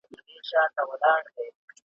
خلکو هېر کړل چي یې ایښي وه نذرونه .